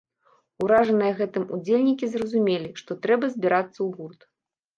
Уражаныя гэтым удзельнікі зразумелі, што трэба збірацца ў гурт.